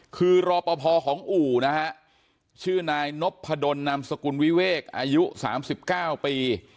คือรอปภของอู่นะฮะชื่อนายนพดลนามสกุลวิเวกอายุ๓๙ปี